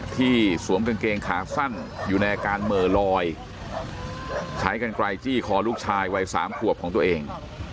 สวมกางเกงขาสั้นอยู่ในอาการเหม่อลอยใช้กันไกลจี้คอลูกชายวัย๓ขวบของตัวเอง